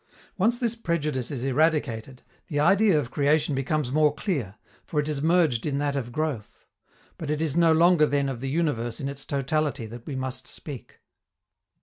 Once this prejudice is eradicated, the idea of creation becomes more clear, for it is merged in that of growth. But it is no longer then of the universe in its totality that we must speak.